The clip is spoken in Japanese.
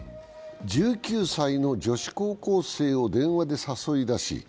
１９歳の女子高校生を電話で誘い出し